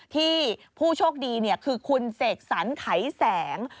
ผู้โชคดีคือคุณเสกสรรไขแสง